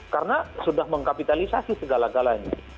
karena sudah mengkapitalisasi segala galanya